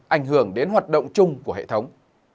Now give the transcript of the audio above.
ảnh hưởng đến hoạt động chung của hệ thống